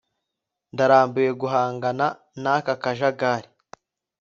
ndarambiwe guhangana n'aka kajagari